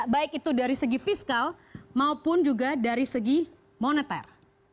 baik itu dari segi fiskal maupun juga dari segi moneter